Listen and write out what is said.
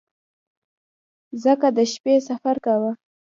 ځکه د شپې سفر کاوه.